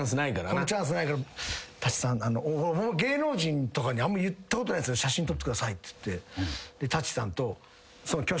こんなチャンスないから芸能人とかにあんま言ったことないですけど写真撮ってくださいっつって舘さんと。